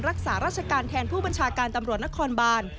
รักษาราชการแทนผู้บัญชาการตำรวจนครบาน